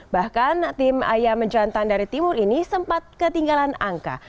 bahkan tim ayam jantan dari timur ini sempat ketinggalan angka